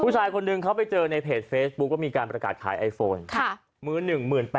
ผู้ชายคนหนึ่งเขาไปเจอในเพจเฟซบุ๊คว่ามีการประกาศขายไอโฟน๑๘๐๐